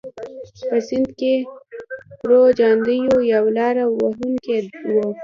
په سند کې پرو چاندیو یو لاره وهونکی و.